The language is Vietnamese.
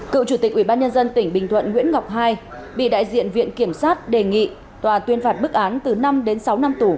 cựu chủ tịch ubnd tỉnh bình thuận nguyễn ngọc hai bị đại diện viện kiểm sát đề nghị tòa tuyên phạt bức án từ năm đến sáu năm tù